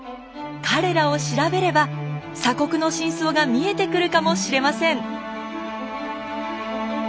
彼らを調べれば鎖国の真相が見えてくるかもしれません。